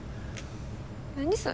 何それ。